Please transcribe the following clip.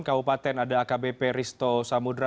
kabupaten ada akb peristo samudera